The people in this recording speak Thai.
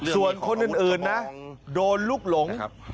ส่วนคนอื่นนะโดนลูกหลง